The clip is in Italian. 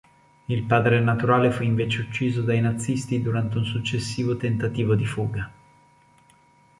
Il padre naturale fu invece ucciso dai nazisti durante un successivo tentativo di fuga.